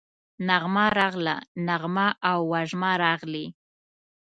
نغمه راغله، نغمه او وژمه راغلې